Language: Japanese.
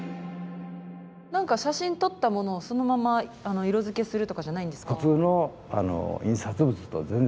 何か写真撮ったものをそのまま色づけするとかじゃないんですか。